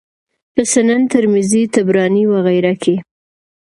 په سنن ترمذي، طبراني وغيره کي